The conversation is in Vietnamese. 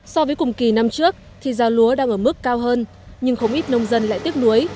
so với cùng kỳ năm trước thì giao lúa đang ở mức cao hơn nhưng không ít nông dân lại tiếc nuối